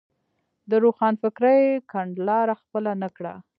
د روښانفکرۍ کڼلاره خپله نه کړه.